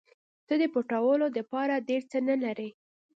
ته د پټولو دپاره ډېر څه نه لرې.